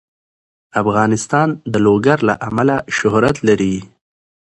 افغانستان د لوگر له امله شهرت لري.